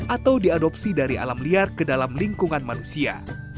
atau diadopsi dari alam liar ke dalam lingkungan manusia